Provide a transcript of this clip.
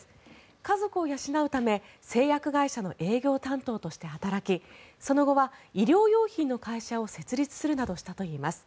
家族を養うため製薬会社の営業担当として働きその後は医療用品の会社を設立するなどしたといいます。